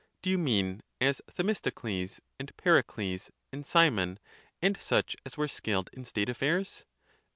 Do you mean, as Themistocles, and Pericles, and Ci mon, and such as were skilled in state affairs